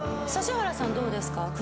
指原さんどうですか？